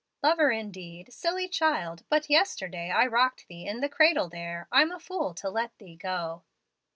"'Lover indeed! Silly child, but yesterday I rocked thee in the cradle there. I'm a fool to let thee go.'